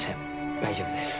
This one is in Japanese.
大丈夫です